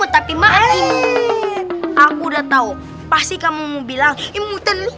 ya benar benar maaf